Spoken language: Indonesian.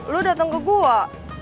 lo datang ke gue